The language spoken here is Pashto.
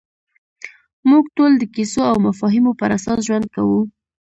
موږ ټول د کیسو او مفاهیمو پر اساس ژوند کوو.